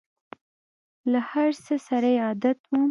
له هر څه سره یې عادت وم !